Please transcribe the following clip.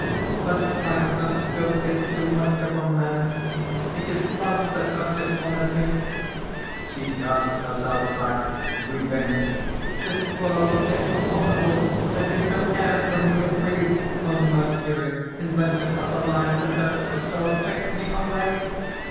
But I have doted too much upon men! It is Love that has dishonoured me!" (She casts herself back weeping): "This world is abominable; there is no air for me to breathe! "O Mercury, inventor of the lyre, conductor of souls, take me away!"